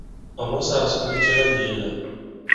Ɔ̀ mɔsāā sɔ ndi cɛ la ŋ̀yēē la?